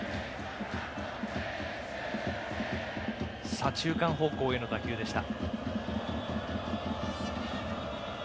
左中間方向への打球でした。